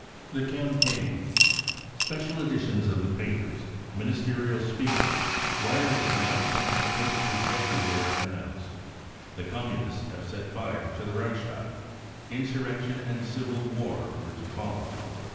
0 The Campaign. Special editions of the papers, minis • terial speeches, wireless announcements and posters every where announced :" The Communists have set fire to the Reichstag ! Insurrection and civil war were to follow